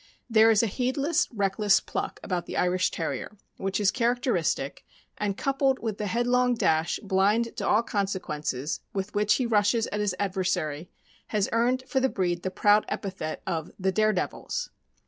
There is a heedless, reckless pluck about the Irish Terrier which is characteristic, and coupled with the headlong dash, blind to all consequences, with which he rushes at his adversary, has earned for the breed the proud epithet of "the dare devils."